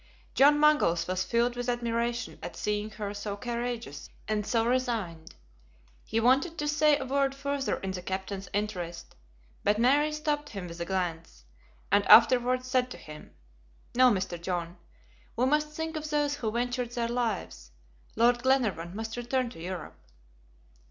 John Mangles was filled with admiration at seeing her so courageous and so resigned. He wanted to say a word further in the Captain's interest, but Mary stopped him with a glance, and afterward said to him: "No, Mr. John, we must think of those who ventured their lives. Lord Glenarvan must return to Europe!"